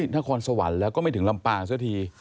นครสวรรค์แล้วก็ไม่ถึงลำปางซะที